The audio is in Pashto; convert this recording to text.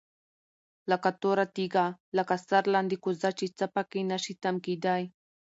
لكه توره تيږه، لكه سرلاندي كوزه چي څه په كي نشي تم كېدى